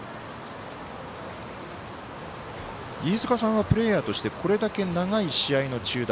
飯塚さんはプレーヤーとしてこれだけ長い試合の中断。